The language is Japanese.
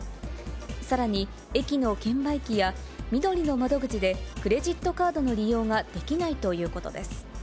さらに駅の券売機やみどりの窓口で、クレジットカードの利用ができないということです。